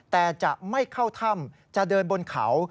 แต่จะไม่เข้าถ้ำจะเดินบนเขา